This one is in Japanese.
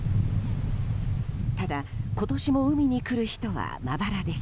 ただ今年も海に来る人はまばらです。